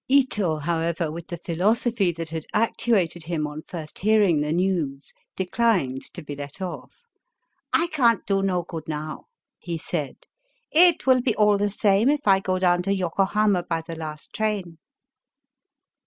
Ito, however, with the philosophy that had actuated him on first hearing the news declined to be let off. ^*I can't do no good now," he said. "It will be all the same if I go down to Yokohama by the last train."